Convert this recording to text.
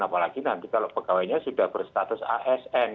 apalagi nanti kalau pegawainya sudah berstatus asn